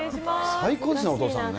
最高ですね、お父さんね。